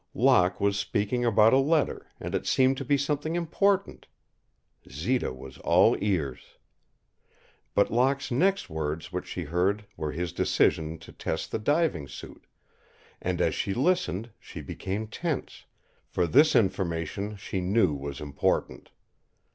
Locke was speaking about a letter and it seemed to be something important. Zita was all ears. But Locke's next words which she heard were his decision to test the diving suit, and as she listened she became tense, for this information she knew was important.